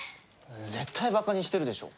絶対バカにしてるでしょ。